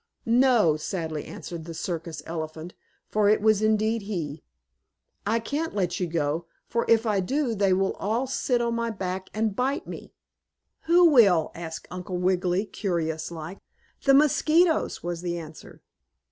"No," sadly answered the circus elephant, for it was indeed he. "I can't let you go, for if I do they will all sit on my back and bite me." "Who will?" asked Uncle Wiggily, curious like. "The mosquitoes," was the answer.